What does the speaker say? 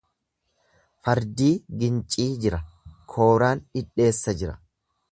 Fardii giincii jira, kooraan dhidheessa jira.